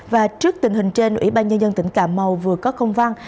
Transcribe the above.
và trước tình hình trên ủy ban nhân dân tỉnh cà mau vừa có công văn